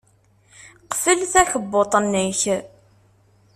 Qfel takebbuḍt-nnek.